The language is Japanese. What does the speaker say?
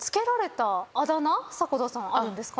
迫田さんあるんですか？